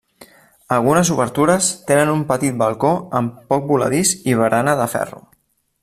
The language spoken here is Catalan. Algunes obertures tenen un petit balcó amb poc voladís i barana de ferro.